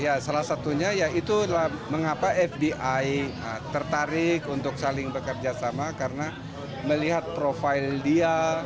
ya salah satunya ya itu mengapa fbi tertarik untuk saling bekerja sama karena melihat profil dia